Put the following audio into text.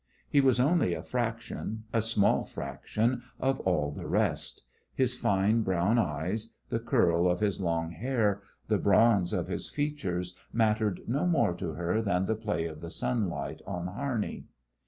He was only a fraction, a small fraction, of all the rest. His fine brown eyes, the curl of his long hair, the bronze of his features mattered no more to her than the play of the sunlight on Harney.